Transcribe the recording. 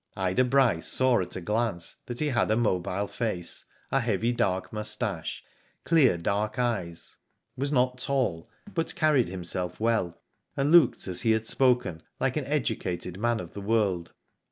Ida Bryce saw at a glance he had a mobile face, a heavy dark moustache, clear dark eyes, was not tall, but carried himself well, and looked, as he had spoken, like an educated man of the world.